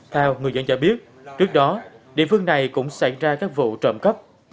theo người dân trả biết trước đó địa phương này cũng xảy ra các vụ trộm cấp